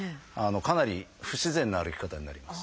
かなり不自然な歩き方になります。